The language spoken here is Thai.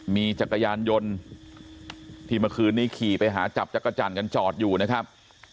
มีจักรยานยนต์ที่เมื่อคืนนี้ขี่ไปหาจับจักรจันทร์กันจอดอยู่นะครับ